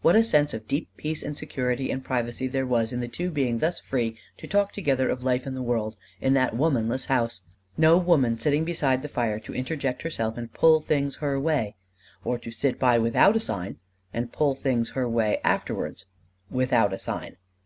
What a sense of deep peace and security and privacy there was in the two being thus free to talk together of life and the world in that womanless house! No woman sitting beside the fire to interject herself and pull things her way; or to sit by without a sign and pull things her way afterwards without a sign.